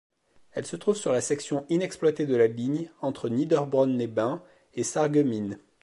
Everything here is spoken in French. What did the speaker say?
Elle se trouve sur la section inexploitée de la ligne, entre Niederbronn-les-Bains et Sarreguemines.